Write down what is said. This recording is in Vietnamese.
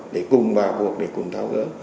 để cùng vào cuộc để cùng thao dỡ